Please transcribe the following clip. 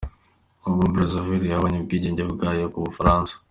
Kongo Brazzaville yabonye ubwigenge bwayo ku bufaransa.